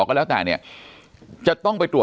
จนถึงปัจจุบันมีการมารายงานตัว